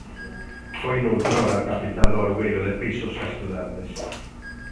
Foi noutrora a capital do alugueiro de pisos a estudantes.